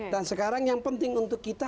dan sekarang yang penting untuk kita